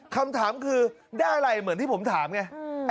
คำถามคือได้อะไรเหมือนที่ผมถามไง